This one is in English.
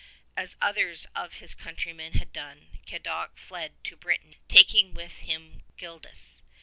As others of his countrymen had done, Cadoc fled to Brittany, taking with him Gildas.